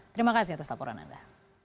terima kasih atas laporan anda